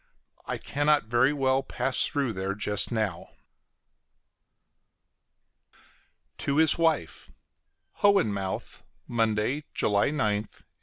I cannot very well pass through there just now. TO HIS WIFE HOHENMAUTH, Monday, July 9th, 1866.